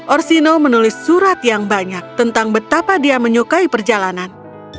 orsino menulis surat yang banyak tentang betapa dia menyukai perjalanan